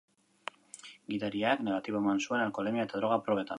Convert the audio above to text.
Gidariak negatibo eman zuen alkoholemia eta droga probetan.